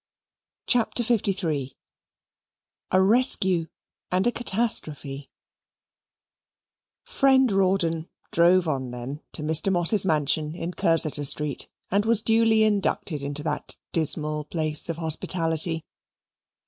CHAPTER LIII A Rescue and a Catastrophe Friend Rawdon drove on then to Mr. Moss's mansion in Cursitor Street, and was duly inducted into that dismal place of hospitality.